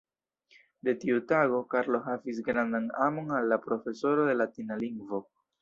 De tiu tago, Karlo havis grandan amon al la profesoro de latina lingvo.